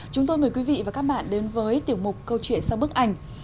chúng tôi mời quý vị và các bạn đến với tiểu mục câu chuyện sau bức ảnh